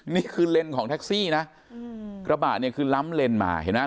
นี่คือเลนส์ของแท็กซี่นะกระบะเนี่ยคือล้ำเลนมาเห็นไหม